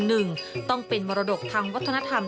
หนึ่งต้องเป็นมรดกทางวัฒนธรรม